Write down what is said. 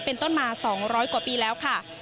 เป็นต้นมา๒๐๐กว่าปีแล้วค่ะ